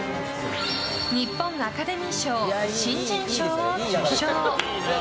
日本アカデミー賞新人賞を受賞。